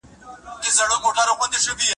د بادامي سترګو خوږې ناوکۍ